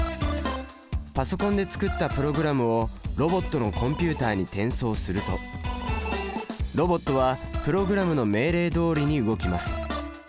パソコンで作ったプログラムをロボットのコンピュータに転送するとロボットはプログラムの命令どおりに動きます。